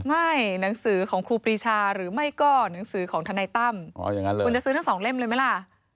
หนังสือของครูปรีชาหรือไม่ก็หนังสือของทนายตั้มคุณจะซื้อทั้งสองเล่มเลยไหมล่ะ